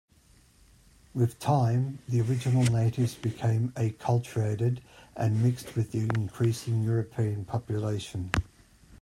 With time the original natives became acculturated and mixed with the increasing European population.